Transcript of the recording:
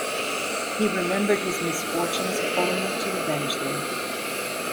He remembered his misfortunes only to avenge them.